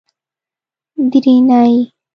درېنۍ